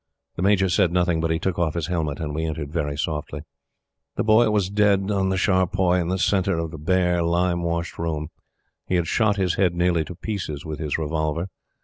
The Major said nothing, but he took off his helmet and we entered very softly. The Boy was dead on the charpoy in the centre of the bare, lime washed room. He had shot his head nearly to pieces with his revolver.